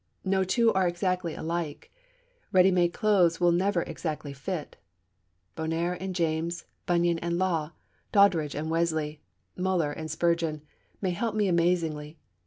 No two are exactly alike. Ready made clothes will never exactly fit. Bonar and James, Bunyan and Law, Doddridge and Wesley, Müller and Spurgeon, may help me amazingly.